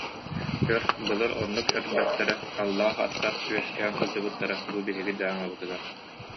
Көр, былыр оннук эр бэртэрэ, аллаах аттар үөскээн сылдьыбыттара бу биһиги Дьааҥыбытыгар